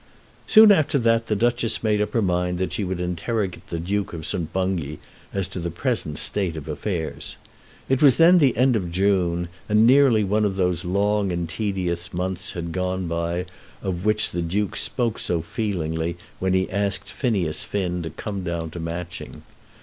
Soon after that the Duchess made up her mind that she would interrogate the Duke of St. Bungay as to the present state of affairs. It was then the end of June, and nearly one of those long and tedious months had gone by of which the Duke spoke so feelingly when he asked Phineas Finn to come down to Matching.